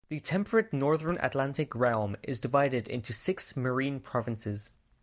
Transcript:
The Temperate Northern Atlantic realm is divided into six marine provinces.